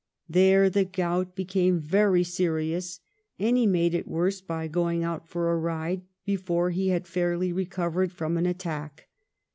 There the gout be came very serious, and he made it worse by going out for a ride before he had fairly recovered from an attack.